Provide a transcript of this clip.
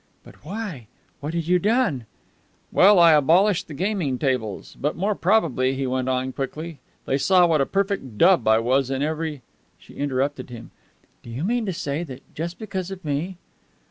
"But why? What had you done?" "Well, I abolished the gaming tables. But, more probably," he went on quickly, "they saw what a perfect dub I was in every " She interrupted him. "Do you mean to say that, just because of me